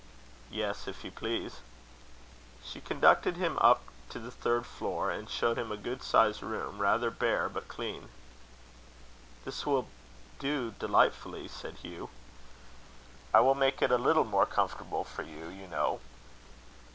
"Yes, if you please." She conducted him up to the third floor, and showed him a good sized room, rather bare, but clean. "This will do delightfully," said Hugh. "I will make it a little more comfortable for you, you know."